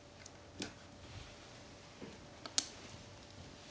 うん。